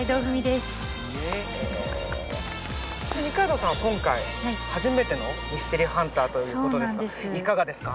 二階堂さんは今回初めてのミステリーハンターということですがいかがですか？